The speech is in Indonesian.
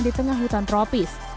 di tengah hutan tropis